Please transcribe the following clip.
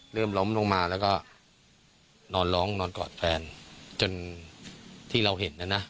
เริ่มล้อมลงมาแล้วก็นอนร้องนอนกอดแฟนจนที่เราเห็นแล้วน่ะ